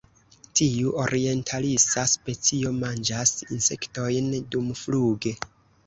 Tiu orientalisa specio manĝas insektojn dumfluge.